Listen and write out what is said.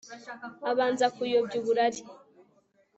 abanza kuyobya uburari